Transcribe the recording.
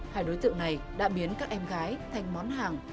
hai đối tượng này đã biến các em gái thành món hàng